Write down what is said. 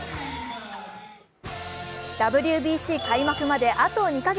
ＷＢＣ開幕まであと２か月。